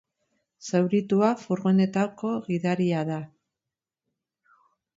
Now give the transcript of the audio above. Zauritua furgonetako gidaria da.